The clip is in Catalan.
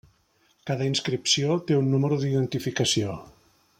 Cada inscripció té un número d'identificació.